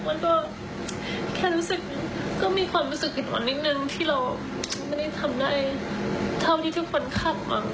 มันก็แค่รู้สึกก็มีความรู้สึกอิดอ่อนนิดนึงที่เราไม่ได้ทำได้เท่าที่ทุกคนคาดหวัง